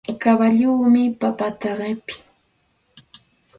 Kawalluchawmi papata qipii.